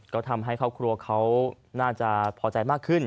ก็ทำให้ครอบครัวเขาน่าจะพอใจมากขึ้น